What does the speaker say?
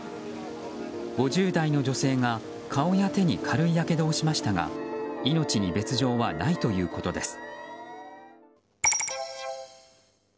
５０代の女性が顔や手に軽いやけどをしましたが命に別条はないということです。